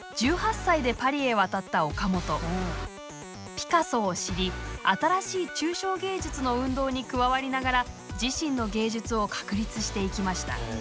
ピカソを知り新しい抽象芸術の運動に加わりながら自身の芸術を確立していきました。